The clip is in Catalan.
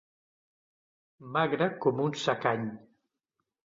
Magre com un secany.